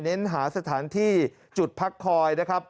เน้นหาสถานที่จุดพักคอยนะครับ